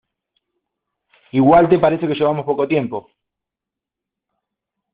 igual te parece que llevamos poco tiempo